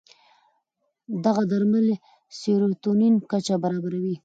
دغه درمل د سیروتونین کچه برابروي.